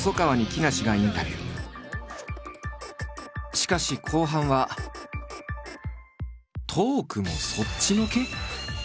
しかし後半はトークもそっちのけ！？